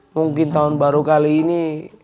mungkin tahun baru kali ini